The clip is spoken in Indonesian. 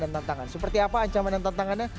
dan tantangan seperti apa ancaman dan tantangannya